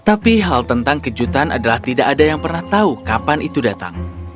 tapi hal tentang kejutan adalah tidak ada yang pernah tahu kapan itu datang